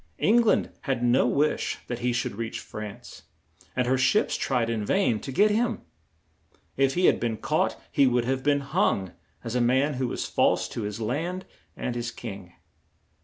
Eng land had no wish that he should reach France, and her ships tried in vain to get him. If he had been caught he would have been hung, as a man who was false to his land and his king.